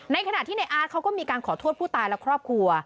ในขณะที่ในอาร์ตเขาก็มีการขอโทษผู้ตายและครอบครัว